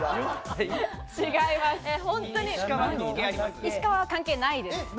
石川は関係ないです。